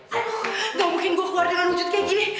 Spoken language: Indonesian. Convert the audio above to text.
aduh gak mungkin gue keluar dengan wujud kayak gini